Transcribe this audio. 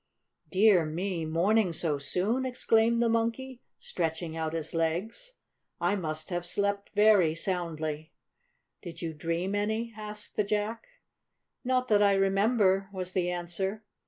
"Dear me! Morning so soon?" exclaimed the Monkey, stretching out his legs. "I must have slept very soundly." "Did you dream any?" asked the Jack. "Not that I remember," was the answer.